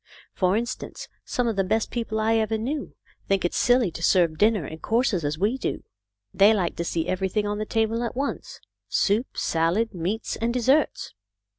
For instance, some of the best peo ple I ever knew think it is silly to serve dinner in courses, as we do. They like to see everything on the table at once, soup, salad, meats, and desserts."